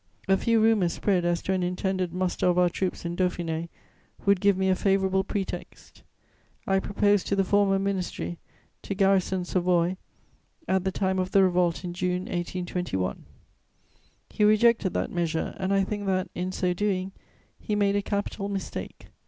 A few rumours spread as to an intended muster of our troops in Dauphiné would give me a favourable pretext. I proposed to the former ministry to garrison Savoy at the time of the revolt in June 1821. He rejected that measure and I think that, in so doing, he made a capital mistake.